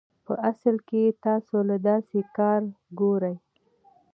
پۀ اصل کښې تاسو له داسې کار ګوري